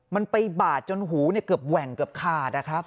มันไปบาดจนหูเกือบแหว่งเกือบขาดนะครับ